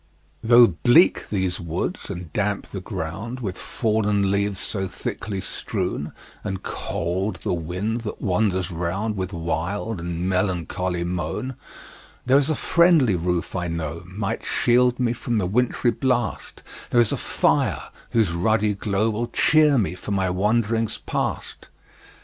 Though bleak these woods, and damp the ground With fallen leaves so thickly strown, And cold the wind that wanders round With wild and melancholy moan; There IS a friendly roof, I know, Might shield me from the wintry blast; There is a fire, whose ruddy glow Will cheer me for my wanderings past.